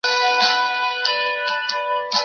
图书馆藏书十一万余册。